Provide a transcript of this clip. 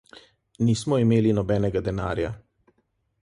Nismo imeli nobenega denarja.